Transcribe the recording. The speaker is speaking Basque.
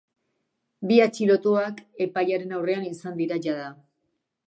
Bi atxilotuak epailearen aurrean izan dira jada.